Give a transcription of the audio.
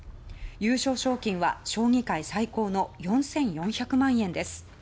優勝賞金は将棋界最高の４４００万円です。